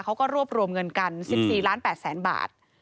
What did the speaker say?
เขาก็รวบรวมเงินกัน๑๔ล้าน๘แสนบาท